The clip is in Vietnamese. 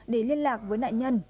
để liên lạc với nạn nhân